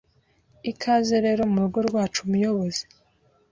Ikaze rero murugo rwacu muyobozi